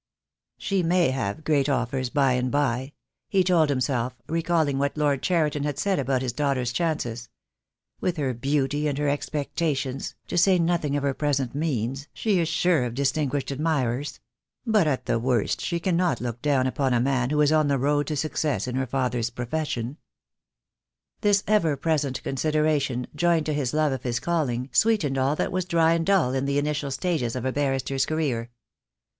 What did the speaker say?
"She may have great offers by and by," he told him self, recalling what Lord Cheriton had said about his daughter's chances. "With her beauty and her expecta tions, to say nothing of her present means, she is sure of distinguished admirers; but at the worst she cannot look down upon a man who is on the road to success in her father's profession." THE DAY WILL COME. 35 This ever present consideration, joined to his love of his calling, sweetened all that was dry and dull in the initial stages of a barrister's career.